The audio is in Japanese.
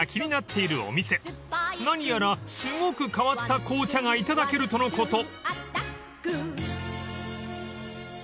［何やらすごく変わった紅茶が頂けるとのこと］